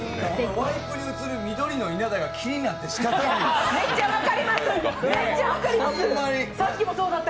ワイプに移る緑の稲田が気になってしかたなかった。